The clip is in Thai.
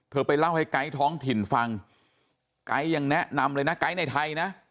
ไปเล่าให้ไกด์ท้องถิ่นฟังไก๊ยังแนะนำเลยนะไกด์ในไทยนะ